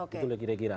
gitu lah kira kira